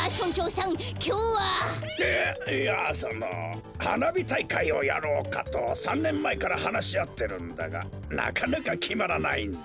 えっいやそのはなびたいかいをやろうかと３ねんまえからはなしあってるんだがなかなかきまらないんだ。